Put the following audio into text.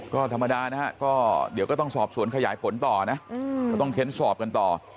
ก็ธรรมดานะฮะก็เดี๋ยวก็ต้องสอบสวนขยายผลต่อนะก็ต้องเค้นสอบกันต่อ